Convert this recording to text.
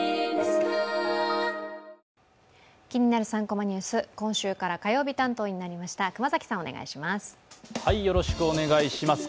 ３コマニュース」、今週から火曜日担当になりました熊崎さん、お願いします。